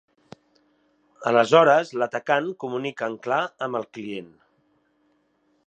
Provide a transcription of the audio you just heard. Aleshores l'atacant comunica en clar amb el client.